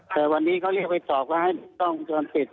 แต่วันนี้เขาเรียกไปตอบว่าต้องจนติด